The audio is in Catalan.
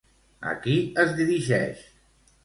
A qui es dirigeix?